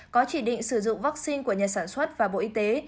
có chỉ định sử dụng vaccine của nhà sản xuất và bộ y tế